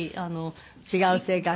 違う性格？